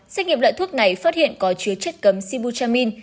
xét nghiệm loại thuốc này phát hiện có chứa chất cấm sibutramine